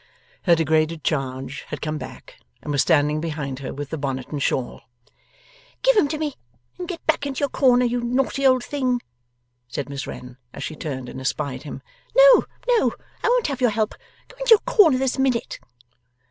Her degraded charge had come back, and was standing behind her with the bonnet and shawl. 'Give 'em to me and get back into your corner, you naughty old thing!' said Miss Wren, as she turned and espied him. 'No, no, I won't have your help. Go into your corner, this minute!